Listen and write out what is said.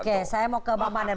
oke saya mau ke bang panel